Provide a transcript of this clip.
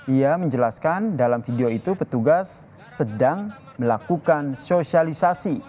ia menjelaskan dalam video itu petugas sedang melakukan sosialisasi